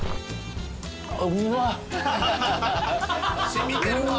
染みてるわ。